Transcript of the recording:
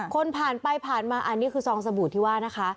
คนผ่านไปผ่านมาอันนี้คือซองสบู่ที่ว่านะคะ